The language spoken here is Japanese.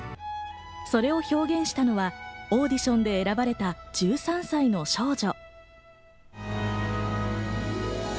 それを表現したのはオーディションで選ばれた１３歳の少女。